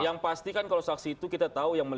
yang pasti kan kalau kita lihat saksi itu itu ada peningnya